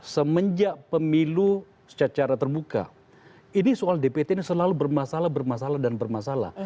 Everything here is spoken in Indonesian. semenjak pemilu secara terbuka ini soal dpt ini selalu bermasalah bermasalah dan bermasalah